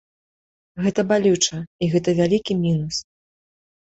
Гэта балюча і гэта вялікі мінус.